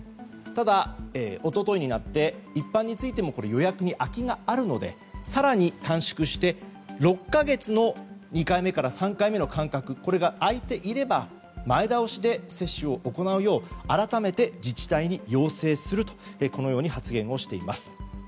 ただ、一昨日になって一般についても予約に空きがあるので更に短縮して、６か月の２回目から３回目の間隔が空いていれば、前倒しで接種を行うよう改めて自治体に要請するとこのように発言をしています。